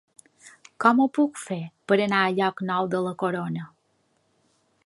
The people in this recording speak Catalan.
Com ho puc fer per anar a Llocnou de la Corona?